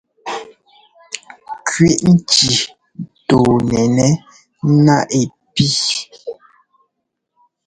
Kʉi ŋki tɔnɛnɛ́ ná ɛ pí.